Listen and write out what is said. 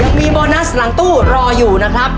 โบมีโบนัสหลังตู้รออยู่นะครับ